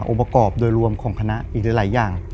ประกอบโดยรวมของคณะอีกหลายอย่าง